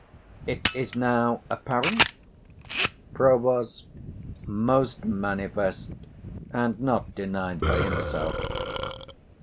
_ It is now apparent? Prov. Most manifest, and not denied by himself.